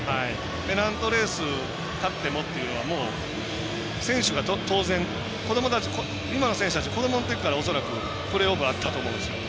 ペナントレース勝ってもう選手が当然、今の選手たち子どもの時から恐らくプレーオフあったと思うんですよ。